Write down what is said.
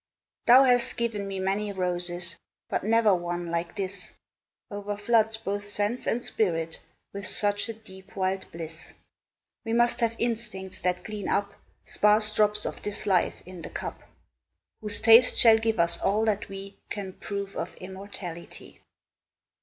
Thou hast given me many roses, But never one, like this, O'erfloods both sense and spirit With such a deep, wild bliss; We must have instincts that glean up Sparse drops of this life in the cup, Whose taste shall give us all that we Can prove of immortality.